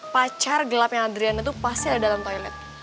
pacar gelapnya adrian itu pasti ada dalam toilet